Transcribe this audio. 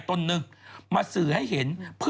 แต่หัวไปไหนล่ะ